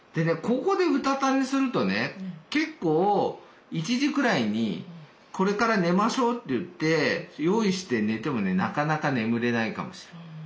ここでうたた寝するとね結構１時くらいにこれから寝ましょうといって用意して寝てもねなかなか眠れないかもしれない。